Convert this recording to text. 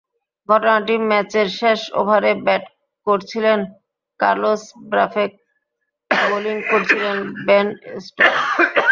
ঘটনাটি ম্যাচের শেষ ওভারে, ব্যাট করছিলেন কার্লোস ব্রাফেট, বোলিং করছিলেন বেন স্টোকস।